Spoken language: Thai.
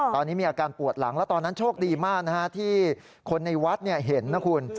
ตอนนี้มีอาการปวดหลังแล้วตอนนั้นโชคดีมากที่คนในวัดเห็นนะคุณ